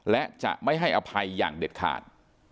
และจะไม่ให้อภัยอย่างเด็ดขาด